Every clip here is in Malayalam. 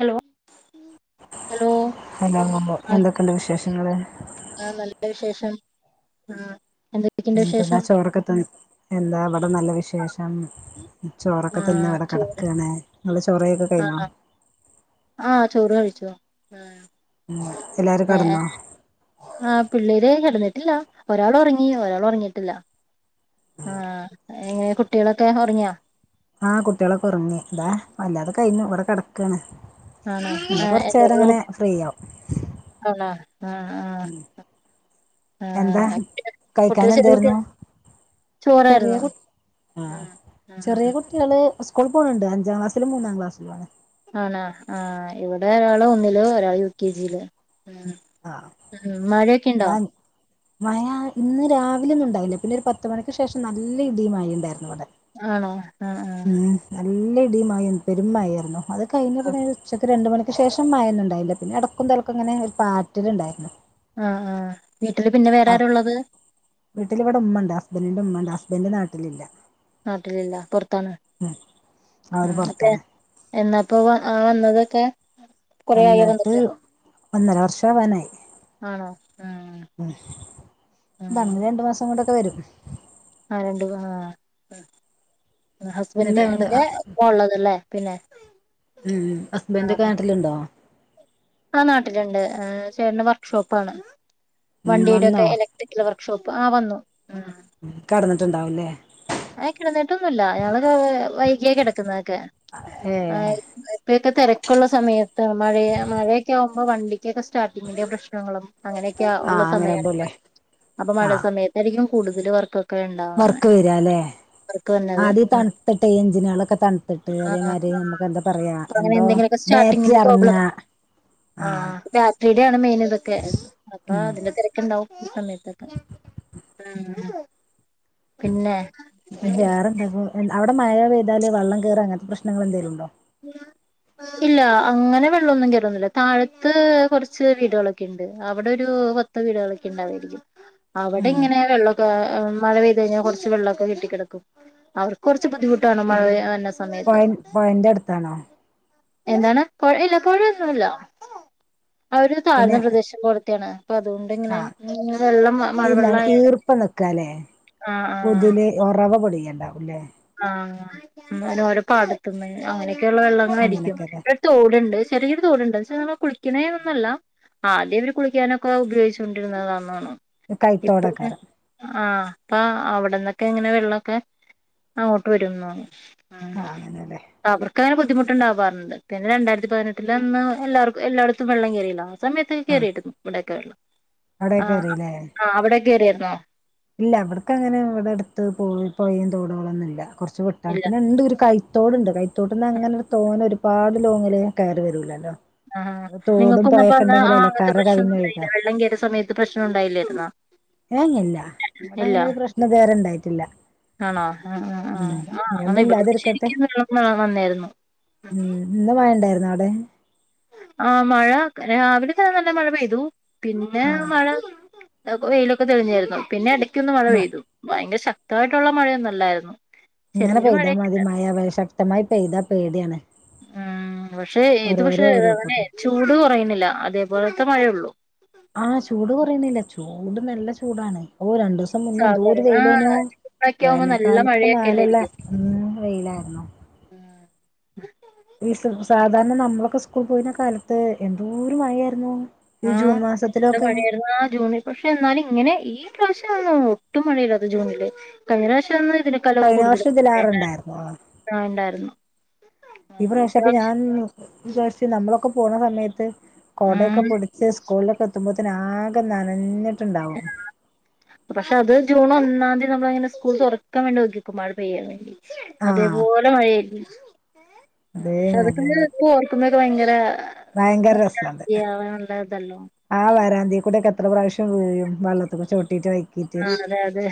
ഹലോ ഹലോ ഹലോ ആ എന്തൊക്കെണ്ട് വിശേഷ് ങ്ങള്? ആ നല്ല വിശേഷം ആഹ് എന്തല്ലാ ചോറൊക്ക ത് എന്താ നല്ല വിശേഷ് ഷം. ചോറൊക്ക തിന്ന് ഇവടെ കടക്കാണ്. ആഹ് ആഹ് ചോറ് കഴിച്ചു. ട്ടൊ ആഹ് എല്ലാരും ആ ആ കിടന്നോ ആ പിള്ളേര് കെടന്നു ഇല്ല ഒരാൾ ഒറങ്ങി ഒരാൾ ഒറങ്ങീട്ടില്ല ആ എങ്ങനെ കുട്ടികളൊക്കെ ഒറങ്ങിയാ ആഹ് കുട്ടികളൊക്കെ ഒറങ്ങി ധാ വല്ലാതെ കഴിഞ്ഞു ഇവടെ കെടക്കാണ് ആണ ആ എന്തര് [unintelligible] ആണാ മൂ എന്താ ആ കഴിക്കാൻ കുട്ടികൾ ചെറിയ കുട്ടികൾ എന്തായിരുന്നു ചോറായിരുന്നോ ആ ആ ആ സ്കൂളി പോണുണ്ട് അഞ്ചാം ക്ലാസിലും മൂന്നാം ക്ലസിലും അണ് ആണ ആ ഇവിടെ ഒന്നില് ഒരാള് യു കെ ജില്ല് ഉം ആ ഉം മഴേക്കെ ഇണ്ടോ ഇവിടാ മഴ ഇന്ന് രാവിലെന്നും ഉണ്ടാവില്ല പിന്നെ ഒരു പത്ത്മണിക്ക് ശേഷം നല്ല ഇടീം മഴയും ഇണ്ടായിരുന്നു ഇവിടെ ആണോ ആ ആ ഉം നല്ല ഇടീം മഴയും പെരുമാഴേരുന്നു അത് ആ കഴിഞ്ഞപുനു ഉച്ചഴ്ക്ക് രണ്ട് മണി ക്ക് ശേഷം മഴന്നും ഉണ്ടായില്ല പിന്നെ എടക്കും തലക്കും ഇങ്ങനെ ഒരു പാറ്റില ഉണ്ടായിരുന്നു ആ ആ അ വീട്ടിലിവിടെ ഉമ്മ ഉണ്ട് ഹുസ്ബന്റിന്റെ ഉമ്മണ്ട് ഹസ്ബൻഡ് നാട്ടിലില്ല നാട്ടിലില്ല പൊറത്താണ് ഉം അവര് ഉം ഓക്കെ പുറത്താണ് എന്നാപോയെ ആ വന്നതൊക്കെ കൊറേ ആയോ വന്നിട്ട് ഒന്നര വർഷം ആവാനായി ഉം നാ മൂ രണ്ടു മാസം കൊണ്ടൊക്കെ വരും ആ രണ്ട് മൂന്ന് ഉം എന്നിട്ട് അങ്ങോട്ട് ഹസ്ബെൻഡിന്റെ ഉപ്പ ഉള്ളതല്ലേ പിന്നെ ഉം ഹസ്ബന്റ് നാട്ടിലുണ്ടോ ആ നാട്ടിലുണ്ട് ചേട്ടന് വർക്ക്ഷോപ്പാണ് ഉം വണ്ടിയുടെ ഒക്കെ ഇലക്ട്രിക്കൽ വർക്ക്ഷോപ്പ് ആ വന്നു കെടന്നി ട്ടുണ്ടാവില്ലേ ആ കിടന്നിട്ടൊന്നു ഇല്ല ഞങ്ങള് വേ വൈകിയ കിടക്കുനേത് ക്കെയാ ഏ ആ ഇപ്പൊക്കെ തേരാ ഒക്കുള്ള സമയത്ത് മഴയ മഴയൊക്കെ ആവുമ്പോ വണ്ടി ക്കെ സ്റ്റാർട്ടിങ്ങിന്റെ പ്രശ്നങ്ങളും അങ്ങനെയൊക്കെ ആ ഉള്ള അങ്ങനെ സമയണ ഇപ്പൊ പോലേ അപ്പം ആ മഴ സമയത്തായിരിക്കും കൂടുതല് വർക്ക് ക്കെ ഉണ്ടാവുന്നെ [unintelligible] ആദ്യം തണുത്തിട്ടേ എഞ്ചിനേളൊക്കെ തണുത്തിട്ട് ആഹ് അതേമായ്രി നമുക്ക് എന്താ പറയാ അപ്പൊ അങ്ങനെ എന്തോ എന്തെങ്കിലുമൊക്കെ ബാറ്ററി സ്റ്റാർട്ടിങ്ങിന്റെ പ്രോബ്ലം എർങ്ങാ ആഹ് ബാറ്ററിയുടെ ആണ് മെയിൻ ഇതൊക്കെ അപ്പൊ ഉം അതിന്റെ തിരക്കുണ്ടാവും ഈ സമയത്തൊക്കെ ആഹ് പിന്നെ ഇത് വേറെ എന്താക്കും അവിടെഴ പെയ്താ വള്ളം കയറ് അങ്ങനത്തെ പ്രശ്നങ്ങ എന്തെലും ഉണ്ടോ? ഇല്ല അങ്ങനെ വെള്ളൊന്നും കയറുന്നില്ല താഴത്ത് കുറച്ച് വീടുകളൊക്കെ ഉണ്ട് അവിടെ ഒരു പത്ത് വീടുകളൊക്കെ ഉണ്ടതായിരിക്കും അവിടെ ഉം ഇങ്ങനെ വെള്ളക്ക മഴ പെയ്ത് കഴിഞ്ഞാൽ കുറച്ച് വെള്ളമൊക്കെ കെട്ടിക്കിടക്കും അവർക്ക് കുറച്ച് ബുദ്ധിമുട്ടാണ് മഴെ സമയത്ത് ന്റെ അടുത്താണോ? എന്താണ് പുഴ ഇല്ല പുഴൊ ഒന്നുമില്ലോ അവര് താഴ്ന്ന പ്രദേശം പോലത്തയാണ് ആ ഇല്ല മഴവെള്ളം ആയാലും ഈർപ്പം നിക്കാലേ ആഹ് പുതില് ഒറവ പൊടിയല്ല ല്ലാഉല്ലേ [unintelligible] ആ ഹോരോ പാടത്തുമ അങ്ങനെ ഒക്കെയള്ള വെള്ള അടിക്കും അങ്ങനെയൊക്കെല്ലേ ഇവിടെ തോടുണ്ട് ചെറിയ തോട് ഉണ്ട് പക്ഷെ ഞങൾ കുളി കിണേൊന്നല്ല ആ അതേവര് കുളിക്കാനൊക്കെ ഉപയോഗിച്ചുകൊണ്ടിരുന്നുന്നത ന്നണോ കൈത്തോടക്കാരം ആഹ് അവിടന്നൊക്കെ ഇങ്ങനെ വെള്ളൊക്കെ അങ്ങോട്ട് വരുന്നോന്ന് ഉം ആഹ് അങ്ങനെല്ലേ അവർക്ക് അങ്ങനെ ബുദ് ബുദ്ധിമുട്ട്ണ്ടാവാറ്ണ്ട് പിന്നെ രണ്ടായിരത്തി പതിനെട്ടിന്റെ അന്ന് എല്ലാവർക്കും എല്ലാ ടെത്തും വെള്ളം കേറിയില്ലോ സമയത്ത് ആഹ് കേറീട്‌ന്നു ഇവിടയൊക്കെ വെള്ളം അവിടെയൊക്കെ ആഹ് കേറില്ലേ ആഹ് അവിടെ കേറിരുന്നു താ ഇല്ല ഇവട്ക്കങ്ങനെ ഇവടെഅട്ത്ത് പോയി പോയേം തോടാളൊന്ന്ല്ല കൊറച്ച് വിട്ടാ ഇല്ല പിന്നെ ഇണ്ട് ഒരു കൈ തോടുണ്ട് കൈത്തോട്ട്ന്ന് അങ്ങനെ തോനെ ഒരുപാട് ലോങ്ങില് കയറി വരൂല്ലല്ലോ ആഹ് ആഹ് നിങ്ങൾക്കൊന്നപ്പോ ഇന്നലെ ആഹ്അങ്ങത്തെ കര പ്രശ്നൊന്നും കവിഞ്ഞ് ഒഴുകാ ഉണ്ടായില്ല വെള്ളം കേറിയ സമയത്ത് പ്രശ്നം ഉണ്ടായില്ലേയിരുന്നോ ഇല്ല അങ്ങനെ ഒരു പ്രശ്നം ഇതേരെ ഇണ്ടായിട്ടില്ല ആണോ ആഹ് ആഹ് ആഹ് ഉം ആഹ് ഇനി അന്ന് ഇവിടെ ഒന്നുല്ലാതിരിക്കട്ടെ ശരിക്കും വെള്ളം മഴ വന്നായിരുന്നു ഉം ഇന്ന് മയണ്ടായിരുന്നോ അവി ബെൻ ആഹ് മഴ രാവിലെ തന്നെ നല്ല മഴ പെയ്തു പിന്നെ ആ മഴ അപ്പോ വെയിലൊക്കെ തെളിഞ്ഞിയിരുന്നു പിന്നെ എടക് ക്കൊന്ന് മഴ മ പെയ്തു ഭയങ്കര ശ ക്തായിട്ടുള്ള മഴയൊന്നല്ലായിര്ന്നു. ഇങ്ങനെ പെയ്താ മതി മഴ അവ ശക്തമായി പെയ്താ പേടിയാണ് ആഹ് പക്ഷേ ഇത് പക്ഷേ ഓരോരോ എവനെ ഉരുൾപൊട്ടൽ ചൂട് കൊറയ്ണ് ല്ല അതേപോലത്തെ മഴേള്ളൂ ആഹ് ചൂട് കൊറയ്ണില്ല ചു ചൂട് നല്ല ചൂടാണ് ഓഹ് രണ്ടൂസം മുന്നേ എന്തോരു സാധാരണ വെയിലേനു. ഒക്കെ ആവുമ്പോ നല്ല വേനൽക്കാലത്തെ മായ്ല്ള്ളെ മഴയൊക്കെല്ലായിരിക്കും വെയിലാര്ന്നു. ഈ സ് സാധാരണ നമ്മളൊക്കെ സ്കൂൾ പോയിനെ കാലത്ത് എന്തോര് മഴയാര്ന്നു ആഹ് നല്ല മഴയായിര്ന്നു. ആഹ് ജൂണിൽ പക്ഷെ എന്നാലും ഇങ്ങനെ ഈ പ്രാവശ്യാണ് ഒട്ടും മഴയില്ലത് ജൂണില് കഴിഞ്ഞ പ്രാവശ്യന്ന് ഇതിനെക്കാലു കഴിഞ്ഞ കൂടുതല് വർഷം മഴ ഉണ്ടാര്ന്നു. ഇതിലാറുണ്ടായിരുന്നു ആഹ് ഉണ്ടാര്ന്നു. ഈ പ്രാവശ്യം അപ്പ ഞാൻ വിചാരിച്ച് നമ്മളൊക്കെ പോണ സമയത്ത് കൊടയൊക്കെ ഉം പിടിച്ച് സ്കൂളിലൊക്കെ എത്തുമ്പോ ആകെ നനഞ്ഞ് പക്ഷെ അത് ജൂൺ ഒ ന്നാന്തി നമ്മള്ങ്ങനെ സ്കൂള് തൊറക്കാൻ വേണ്ടി നിക്കേയ്ക്കും മഴ പെയ്യാനേ ആഹ് അതേപോലെ മയേയ്രികും ആഹ് ഇതെടെക്കെന്ന് അതേമാതിരി ഓർക്ക്ന്നെ ത് ഭയങ്കെരെ ഭയങ്കര രസണ്ട് [unintelligible] അവനുണ്ടായതല്ലോ ആ വരാന്തേ കൂടെ ക്കെത്ര പ്രാവശ്യം വീഴും വള്ളത്ത്മ്മെ ചൗ ആഹ് അതെ അതെ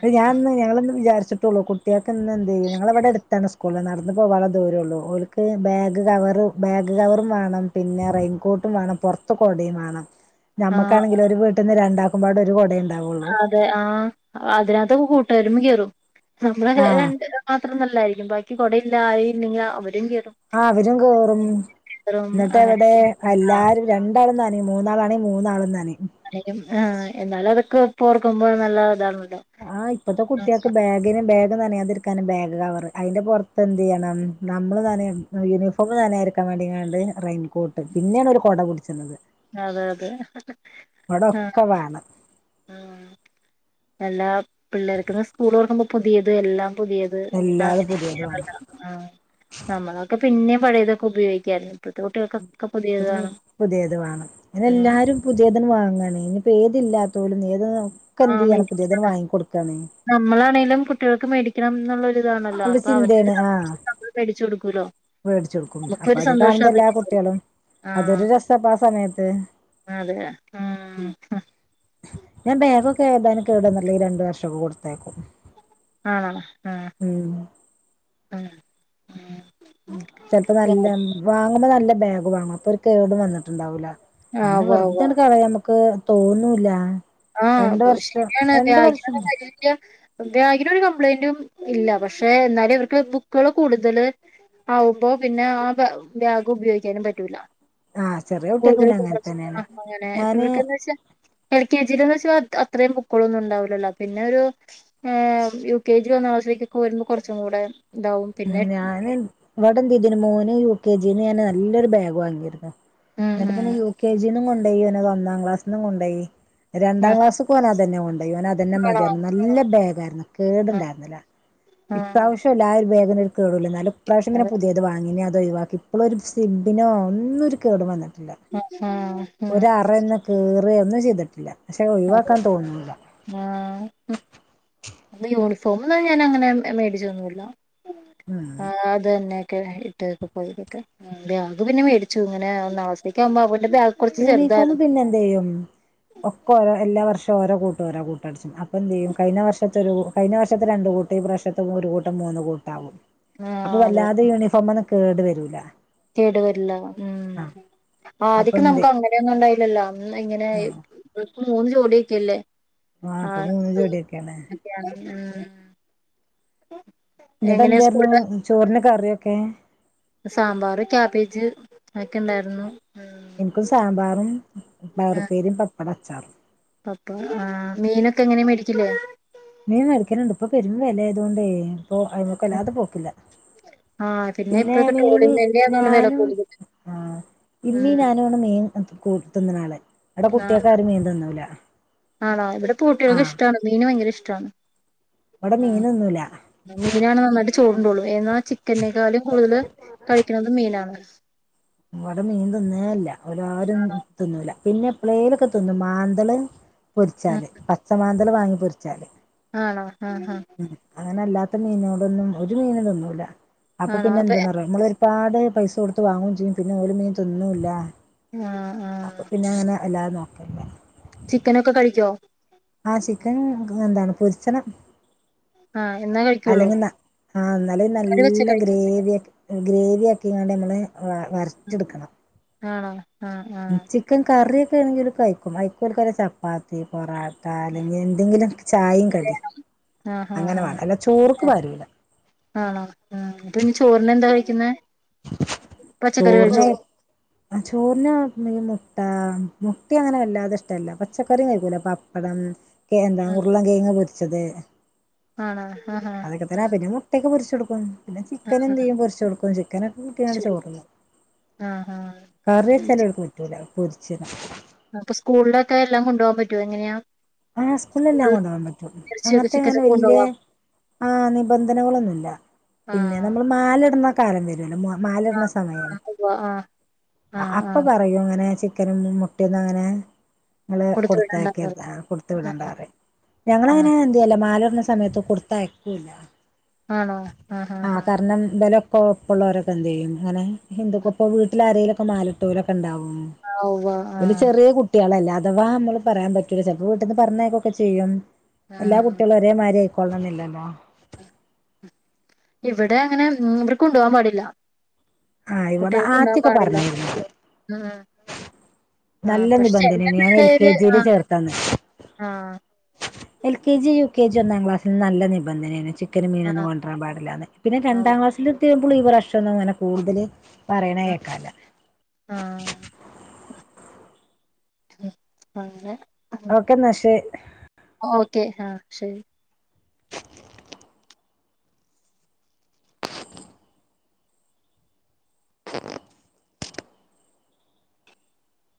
അത് ഞാന്ന് ഞങ്ങള്ന്ന് വിചാര്ച്ച് ട്ടൊള്ളൂ കു ഇയാൾക്ക് ഇന്ന് എന്തേ നീ ഞങ്ങളവിടെടുത്താണ് സ്കു നടന്നപ്പോവാനുള്ള ദൂരേയുള്ളു ഓൾക്ക് ബാഗ് കവറ് ബാഗ് കവറും വേണം പിന്നെ റെയിൻകോട്ടും വേണം പൊറത്ത് കൊടയും വേണം ആ ആ, നമ്മക്കാണെങ്കിൽ ഒരു വീട്ടീന്ന് രണ്ടാക്ക ഉമ്മാടെ ഒരു കൊടയണ്ട് ണ്ടാകൊളളു അതെ ആ അതിനകത്തൊക്കെ കൂട്ടൊരുമ്മ കേറും നമ്മളപ ആഹ് രണ്ട് മാത്രം നല്ലായി ബാക്കി കുടയില്ലായില്ലെങ്കിൽ അവ ആ അവരും കേറും റും എന്നിട്ട് എവിടെ അങ്ങനെയൊക്കെ എല്ലാരും രണ്ടാളും നനയും മൂന്നാളാണെ മൂന്നാളു നനിം ആ എന്നാലും അതൊക്കെ ഇപ്പോർക്കുമ്പോ നല്ല ഇതാണ് ആഹ് ഇപ്പത്തെ കുട്ടിയക്ക് ബാഗിന് ബാഗ നനയാതിരിക്കാൻ ബാഗ് കവറ് അതിന്റെ പുറത്ത് എന്ത് ചെയ്യണം നമ്മൾ നനയാൻ യൂണിഫോമൊക്കെ നനയാതിരിക്കാൻ വേണ്ടിങ്ങാണ്ട് റെയിൻകോട്ട് പിന്നെയാണ് ഒരു കുട പുടിച്ചിരുന്നത് അതെ അതെ ആ കൊടൊക്കെ വാണം അല്ല പിള്ളേർക്ക് ഇന്ന് സ്കൂൾ തൊർക്കുമ്പോൾ പുതിയത് എല്ലാം പുതിയത് എല്ലാതും പുതിയത് വാണം ആ നമ്മളക്കെ പിന്നെ പഴയതൊക്കെ ഉപയോഗിക്കാരുന്നു പുതു പുതിയത് ആഹ് എല്ലാരും പുതിയ വാങ്ങാനേ ഇനിപ്പോ ഏതില്ലാത്തോലും ഏത് ക്ക് എന്ത് ചെയ്യാണ് പുതിയതന്നെ വാങ്ങി കൊടക്കാണ് നമ്മളാണെങ്കിലും കുട്ടികൾക്ക് മേടിക്ക ഇ ന ഇതാണല്ലോ അവരുടെ അപ്പൊ അവ ചിന്തേണ് ആഹ് മേടിച്ച കൊടുക്കൂലോ വേടിച്ചൊടുക്കും അപ്പൊ നമുക്കൊരു അത് സന്തോഷം കാണുമ്പോ എല്ലാ അതൊക്ക കുട്ട്യാളും ആ അതൊരു രസാപ്പ ആ സമയത്ത് അതെ ഉ ഞാൻ ബാഗൊക്കെ ഏതാണ് ഇടന്നല്ല രണ്ടു വർഷൊക്കെ കൊടുത്തേക്കും ആ ഉഹ ഉം ഉം ചെപ്പോ നല്ല വാങ്ങുമ്പോ നല്ല ബാഗ് വാങ്ങ അപ്പോ ഒരു കേടും വന്നിട്ടുണ്ടാവൂല്ല അങ്ങനെ ഉവ്വ ഉവ്വ വെറുതാണ് കളയാൻ ക്ക് തോന്നൂലാ. ആഹ് ശരിയാണ് [unintelligible] വ്യാഗിനൊര് കം പ്ലയ്ന്റും ഇല്ല. പക്ഷെ ഇന്നാലും ഇവർക്ക് ബുക്കുകൾ കൂടുതൽ ആവുമ്പോ പിന്നെ ആ ബാഗ് ഉപയോഗിക്കാനും പറ്റൂല്ല. ആഹ് ചെറിയ കുട്ടിയൊക്കെ പിന്നെ അങ്ങനെ [unintelligible] തന്നെയാണ് അങ്ങനേ ഞാന് ഇപ്പവർക്കെന്താച്ചാ [unintelligible] കെ ജി ടെ ന്ന് വെച്ചാ അത്രയും ബുക്കുകളൊന്നും ഉണ്ടാവൂല്ലല്ലോ. പിന്നെ ഒരു ഏഹ് യു കെ ജി, ഒന്നാം ക്ലാസിലേക്കൊക്കെ വരുമ്പം കുറച്ചും കൂടെ ഇതാവും ഉം പിന്നെ ഞാന് ഇൻ ഇവിടെന്തിതയ്തീനി മോന് യൂ കെ ജി ന്ന് ഞാന് നല്ലൊരു ബാഗ് വാങ്ങിയിരുന്നു. ഉം എന്നിട്ട് പിന്നെ ഉം യു കെ ജി ന്നും കൊ ണ്ടോയി ഓനത് ഒന്നാം ക്ലാസ്സിന്നും കൊണ്ടയി. രണ്ടാം ആഹ് ക്ലാസ് ക്കും ഓന് അതന്നെ കൊണ്ടോയി. ഓൻ അതന്നെ ആണോ മതിയർഞ്. നല്ല ബേ ഗാരണം. ആഹ് കേടുണ്ടായിരുന്നില്ല. ആഹ് ഇപ്രാവശ്യൂല്ല ആ ഒര് ബേ ഇതിനൊരു കേട്ല്ല ന്നാലും ഇപ്രാവശ്യം പിന്നെ അതെ പുതിയത് വാങ്ങി ഇനി അ അതൊഴിവാക്കി ഇപ്പോളൊ ഒരു സിബിനോ ഒന്നും ഒരു കേടു വന്നി ട്ടില്ല ആഹ് ആഹ് ഉം ഒരു ആറന്നെ കേട് കീറെ ഒന്നും ചെയ്തിട്ടില്ല പക്ഷെ അതെ ഒഴിവാക്കാൻ തോന്നീല്ല ഇന്ന് യൂണിഫ് ഫോംന്നും ഞാൻ അങ്ങനെ മേടിച്ച ഒന്നുമില്ല ഉം ആഹ് അതന്നെ. ഇട്ടോതൊക്കെ പോയിരിക്കെ ബാഗ് പിന്നെ മേടിച്ചു ഇങ്ങനെ ഒന്ന നാസ്സ്ഥക്കാവുമ്പ യൂണിഫോം പിന്നെ എന്ത്‌ചെയ്യും ഒക്ക ഓരോ എല്ലാ വർഷവും ഓര കൂട്ട ഓര കൂട്ടടിച്ചും അപ്പം എന്ത് ചെയ്യും കഴി ഞ്ഞ വർഷത്ത ഒരു കഴിഞ്ഞ വർഷത്തെ രണ്ട് കൂട്ട ഈ പ്രാവശത്തത്ത് ഒരു കൂട്ടം മൂന്ന് കൂട്ടാകും. ആ അപ്പൊ വല്ലാതെ യൂണിഫോംന് കേടു വരൂല കേടുവരില്ലത് ഉം ആ ആദി അപ്പൊ ദ്യം എന്ത് നമുക്ക് അങ്ങനെയ ഒന്നും ഉണ്ടായില്ലല്ലോ ഇങ്ങനെ ആ പ്പം മൂന്ന് ജോടിയൊക്കെ ഇല്ലേ ആ പ്പം മൂന്ന് ജോടിയൊക്കെയാണ് ഒക്കെയാണ് ഉം എന്നിട്ട് എങ്ങനെയാ എന്തായിരുന്നു സ്കൂള് ചോറിന് കറിയൊക്കെ സാമ്പാർ ക്യാപേജ് ഒക്കെ ഇണ്ടായിരുന്നു പയർ ഉപ്പേരിയും പപ്പ ടം അച്ചാറ് പപ്പ ആ മീനൊക്കെ എങ്ങനെയ മേടിക്കില്ലേ മീൻ മേടിക്കുന്നുണ്ട് ഇപ്പൊ പെരുമ്പ വില ആയതുകൊണ്ടേ അപ്പൊ അ്മക്കല്ലാതെ പോക്കില്ല ആ പിന്നെ ഇപ്പൊക്കെ മീന് ട്രോളിങ് തന്നെയാ തോന്നുന്നു വില ഞാനും കൂടുതൽ ആ ഇമ്മീ ഉം ഞാനും ആണ് മീൻ കൂട്ടുന്ന ആള് അവിടെ ആ കുട്ടിയക്കാരും മീൻ തിന്നൂല ആണോ ഇവിടെ പൂട്ടികൾക്ക ആഹ് ഇഷ്ടമാണ് മീൻ ഭയങ്ക ഇഷ്ട ട്ടാണ് ഇവിടെ മീൻ ആ തിന്നൂല മീനാണ് നന്നായിട്ട് ചൂടുള്ളൂ എന്നാൽ ചിക്കനെക്കാലും കൂടുതൽ കഴിക്കുന്നത് മീനാണ് ഇവിടെ മീൻ തിന്നെയില്ല ഇവലാരും തിന്നൂല പിന്നെ എപ്ലേലൊക്കെ തിന്നും മ്ലാൻതല് പൊരിച്ചാല് പച്ചമാ ന്തൽ വാങ്ങി പൊരിച്ചാല് ആണോ ആ ആ ഉം അങ്ങനല്ല ല്ലാത്ത മീനോടൊന്നും ഒരു മീനും തിന്നൂല അപ്പൊ പിന്നെ എന്താ പറയാ നമ്മള് ഒ രുപാട് പൈസ കൊടുത്തു വാങ്ങുകയും ചെയ്യും പിന്നെ ഒരു മീൻ തിന്നുമില്ല ആഹ് ആഹ് അല്ലാതെ നോക്കില്ല ചിക്കനൊക്കെ കഴിക്കോ ആ ചിക്കൻ എന്താണ് പൊരിച്ചണം ആ എന്നാ കഴിക്കുള്ളൂ അല്ലെങ്കിൽ ആ എന്നാല് കറി വെച്ച നല്ല കഴിക്കും ഗ്രേവിയോക്കെ ഗ്രേവി ആക്കിയാണ്ട് നമ്മള് വരട്ടിയെടുക്കണം ആണോ ആ ആ ആ ചിക്കൻ കറി ഒക്കെ ആണെങ്കിൽഓല് കഴിക്കും അഴിക്കോൽക്കൊരു ചപ്പാത്തി പൊറാട്ട അല്ലങ്കിൽ എന്തെങ്കിലുമൊക്കെ ചായയും കടിയും അങ്ങനെ ആ വേണം അല്ലാതെ ചോർക്ക് ആ പാരൂല ആണോ ആ പിന്നെ ചോറിന് എന്താ കഴിക്കുന്നെ പച്ചക്കറി ചോറിന് കഴിച്ചോളൂ ആ ചോറിന് ഈ മുട്ട മുട്ട അങ്ങനെ വല്ലാതെ ഇഷ്ടല്ല പച്ചക്കറിയും കഴിക്കൂല പപ്പടം എന്താ ഉരുളം കിഴങ്ങ് പൊരി പൊരിച്ചത് ആണോ ആ ആ അതക്കെ ആ തന്നെ പിന്നെ മുട്ടയൊക്കെ പൊരിച്ച് പൊരിച്ചെടുക്കും പിന്നെ ചിക്കൻ എന്ത ചെയ്യും പൊരിച്ച് കൊടുക്കും ചിക്കനൊക്കെ കൂട്ടിയാണ് ശരി ചോറ് തിന്നത് ആ ആ കറി വെച്ചാല് ഓല് കൂട്ടൂല പൊരിച്ചതാ അപ്പൊ സ്കൂളിലൊക്കെ എല്ലാം കൊണ്ടുപോവാൻ പറ്റുവോ എങ്ങനെയാ ആ സ്കൂളിൽ എല്ലാം കൊണ്ടോവാൻ പറ്റും ഇറച്ചിയൊക്കെ അങ്ങനത്തെ ഇങ്ങനെ ചിക്കനൊക്കെ വല്യ കൊണ്ടുപോവാം ആ നിബന്ധനകളൊന്നുല്ല ആ പിന്നെ നമ്മൾ മാലിട്ണ കാലം വരോല്ലോ മാലടണ സമയം ആ ആ ആ അപ്പ പറയും അങ്ങനെ ചിക്കനും മുട്ടയൊന്നും അങ്ങനെ നിങ്ങള് കൊടുത്തു വിടണ്ട കൊടുത്തയാക്കര്ത് ആ വിടണ്ടാറിം ആഹ് ഞങ്ങളനെ എന്തേലും മാലടണ സമയത്ത് കൊടുത്തയക്കൂല്ല ആണോ ആ ഹ ഹ ഹ ഒപ്പള്ളോരൊക്കെ എന്ത് ചെയ്യും ഇങ്ങനെ എന്തൊക്കെപ്പോ വീട്ടിലാരെ മാലട്ടോരൊക്കെ ണ്ടാവും ഉം ആഹ് ഉവ്വ ഓല് ആഹ് ചെറ്യേ കുടട്ട്യേളല്ലേ അ അതവാ നമ്മള് പറയാൻ പറ്റൂല ചലപ്പോ ന്ന് പറഞ്ഞേയക്കൊക്കെ ചെയ്യും എല്ലാ ആഹ് കുടട്ട്യാളും ഒരേമാരിയായ് കൊളണന്നില്ലല്ലോ ഇവിടെ അങ്ങനെ ഇവിടെ കൊണ്ടുപോകാൻ പാടില്ല ആഹ് ഇവിടെ കുട്ടികൾക്ക് കൊണ്ടുപോകാൻ ആറ്റൊക്കെ പാടില്ല പറഞ്ഞായിരുന്നു ഉം ഉം ആഹ് നല്ല പക്ഷെ നിബന്ധന ചെല ഞാൻ എൽ കെ പിള്ളേര് ജിയില് ആഹ് ചേർത്തന്ന ആഹ് L K G U K G ഒന്നാം ക്ലാസ്സിൽ നല്ല നിബന്ധനയാണ് ചക്കന് ആഹ് മീനൊന്നും കൊണ്ടരാൻാടില്ലന്ന് പിന്നെ ആഹ് രണ്ടാംക്സ്സില് ുമോും ഈ പ്രക്ഷംന്നും അങ്ങനെ കൂടുതല് [unintelligible] പറയണ കേക്കാല ഉ അങ്ങനെ ഓക്കെ നശേ ഓക്കെ ആഹ് ശരി